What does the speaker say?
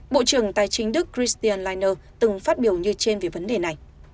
bộ trưởng tài chính đức christian liner từng phát biểu như trên về vấn đề này